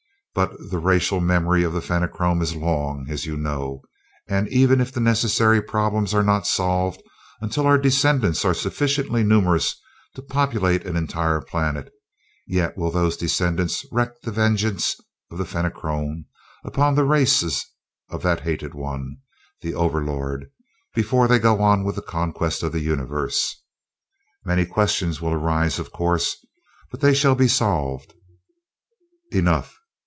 But the racial memory of the Fenachrone is long, as you know; and even if the necessary problems are not solved until our descendants are sufficiently numerous to populate an entire planet, yet will those descendants wreak the vengeance of the Fenachrone upon the races of that hated one, the Overlord, before they go on with the Conquest of the Universe. Many questions will arise, of course; but they shall be solved. Enough!